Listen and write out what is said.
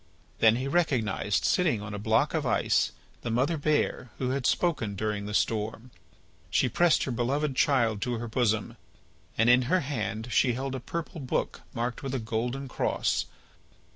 Then he recognised, sitting on a block of ice, the mother bear who had spoken during the storm. She pressed her beloved child to her bosom, and in her hand she held a purple book marked with a golden cross.